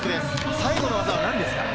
最後の技は何ですか？